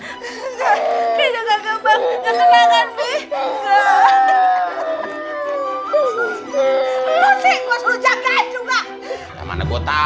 capek kerja kaget banget